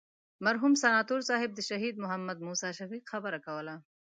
مرحوم ستانور صاحب د شهید محمد موسی شفیق خبره کوله.